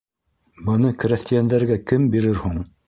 Быны крәҫтиәндәргә кем бирер һуң?